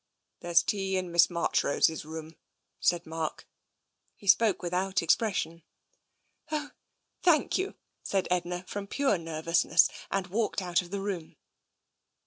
"There is tea in Miss Marchrose's room," said Mark. He spoke without expression. " Oh, thank you," said Edna, from pure nervousness, and walked out of the room.